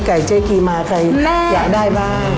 เจ๊กีมาใครอยากได้บ้าง